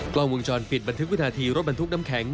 กล้องวงจรปิดบันทึกวินาทีรถบรรทุกน้ำแข็ง